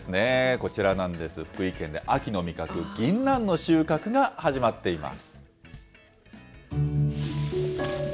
こちらなんです、福井県で秋の味覚、ぎんなんの収穫が始まっています。